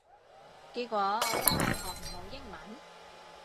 結果我都係學唔好英文